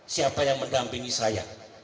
siapa yang mendampingi saya